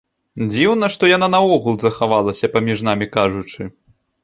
Дзіўна, што яна наогул захавалася, паміж намі кажучы.